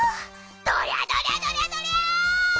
どりゃどりゃどりゃどりゃ！